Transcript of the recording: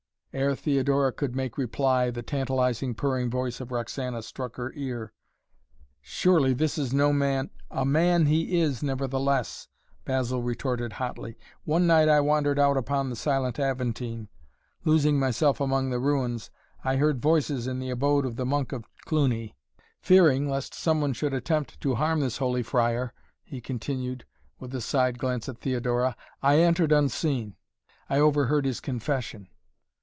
Ere Theodora could make reply the tantalizing purring voice of Roxana struck her ear. "Surely this is no man " "A man he is, nevertheless," Basil retorted hotly. "One night I wandered out upon the silent Aventine. Losing myself among the ruins, I heard voices in the abode of the Monk of Cluny. Fearing, lest some one should attempt to harm this holy friar," he continued, with a side glance at Theodora, "I entered unseen. I overheard his confession."